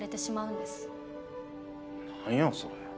何やそれ！